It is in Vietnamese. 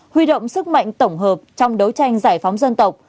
huy động sức mạnh tổng hợp trong đấu tranh giải phóng dân tộc